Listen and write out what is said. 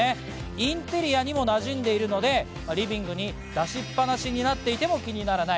インテリアにも馴染んでいるので、リビングに出しっ放しになっていても気にならない